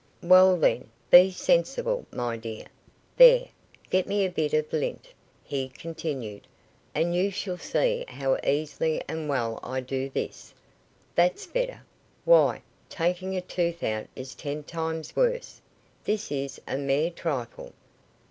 "Well, then, be sensible, my dear girl. There, get me a bit of lint," he continued, "and you shall see how easily and well I will do this. That's better. Why, taking a tooth out is ten times worse. This is a mere trifle.